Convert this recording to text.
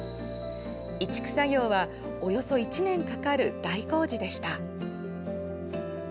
移築作業はおよそ１年かかる大工事でした。